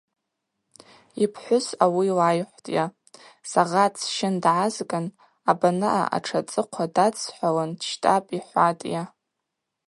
Йпхӏвыс ауи лайхӏвтӏйа: Сагъа дсщын дгӏазгын, абанаъа, атшацӏыхъва дадсхӏвалын, дщтӏапӏ, — йхӏватӏйа.